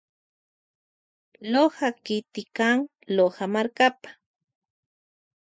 Loja kiti kan Loja markapa.